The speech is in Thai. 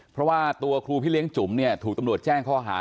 เพราะว่าตัวครูพี่เลี้ยงจุ๋มเนี่ยถูกตำรวจแจ้งข้อหา